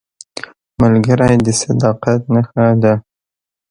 ملګری د صداقت نښه ده